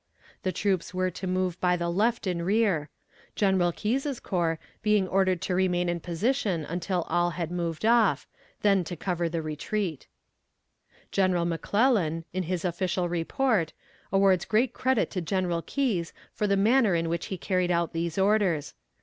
The troops were to move by the left and rear; General Keyes' corps being ordered to remain in position until all had moved off then to cover the retreat. General McClellan, in his official report, awards great credit to General Keyes for the manner in which he carried out these orders.